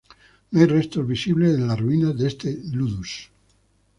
No hay restos visibles de las ruinas de este ludus.